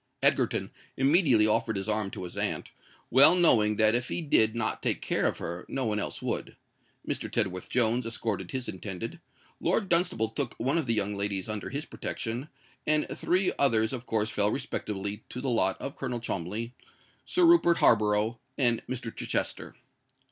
Egerton immediately offered his arm to his aunt, well knowing that if he did not take care of her no one else would: Mr. Tedworth Jones escorted his intended; Lord Dunstable took one of the young ladies under his protection; and the three others of course fell respectively to the lot of Colonel Cholmondeley, Sir Rupert Harborough, and Mr. Chichester.